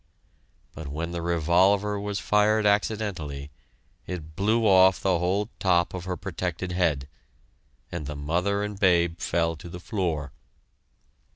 But when the revolver was fired accidentally it blew off the whole top of her protected head; and the mother and babe fell to the floor!